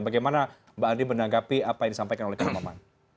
bagaimana mbak andi menanggapi apa yang disampaikan oleh kang maman